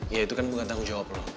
ya itu kan bukan tanggung jawab loh